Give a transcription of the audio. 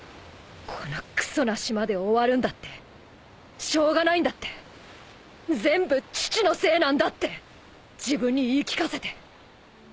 このクソな島で終わるんだってしょうがないんだって全部父のせいなんだって自分に言い聞かせて。